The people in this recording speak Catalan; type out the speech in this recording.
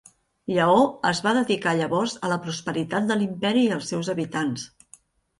Lleó es va dedicar llavors a la prosperitat de l'imperi i els seus habitants.